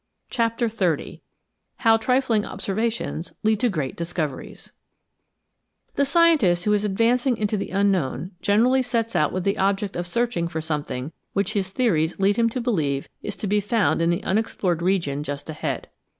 CHAPTER XXX HOW TRIFLING OBSERVATIONS LEAD TO GREAT DISCOVERIES THE scientist who is advancing into the unknown generally sets out with the object of searching for something which his theories lead him to believe is to be found in the unexplored region just ahead.